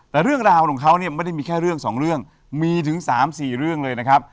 แต่เรื่องราวของเขาเนี่ยไม่ได้มีแค่เรื่องสองเรื่องมีถึง๓๔เรื่องเลยนะครับ